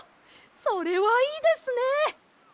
それはいいですね！